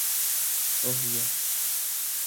ওহ, yeah.